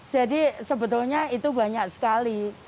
jadi sebetulnya itu banyak sekali